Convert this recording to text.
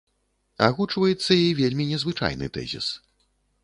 Агучваецца і вельмі незвычайны тэзіс.